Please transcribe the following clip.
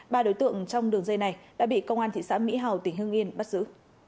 ba đối tượng trong đường dây này đã bị công an thị xã mỹ hào tỉnh hương yên bắt giữ